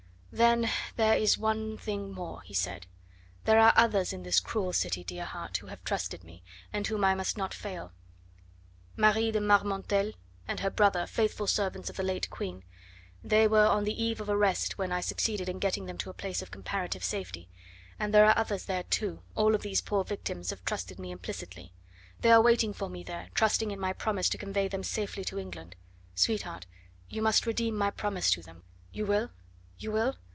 "Then there is one thing more," he said. "There are others in this cruel city, dear heart, who have trusted me, and whom I must not fail Marie de Marmontel and her brother, faithful servants of the late queen; they were on the eve of arrest when I succeeded in getting them to a place of comparative safety; and there are others there, too all of these poor victims have trusted me implicitly. They are waiting for me there, trusting in my promise to convey them safely to England. Sweetheart, you must redeem my promise to them. You will? you will?